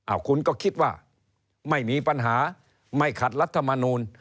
คุณก็คิดว่าไม่มีปัญหาไม่ขัดรัฐมนูล